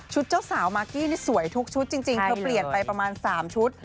เจ้าสาวมากกี้นี่สวยทุกชุดจริงเธอเปลี่ยนไปประมาณ๓ชุด